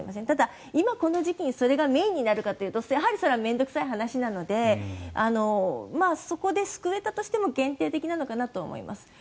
ただ、今この時期にそれがメインになるかというとそれは面倒臭い話なのでそこで救えたとしても限定的なのかなと思います。